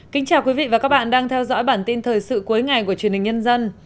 chào mừng quý vị đến với bản tin thời sự cuối ngày của truyền hình nhân dân